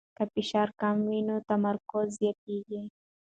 که فشار کم وي نو تمرکز زیاتېږي.